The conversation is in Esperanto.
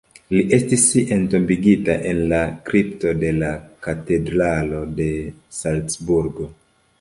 Li estis entombigita en la kripto de la Katedralo de Salcburgo.